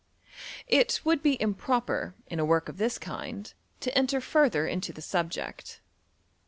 It would be im proper, in a work of this kind, to enter further into the subject.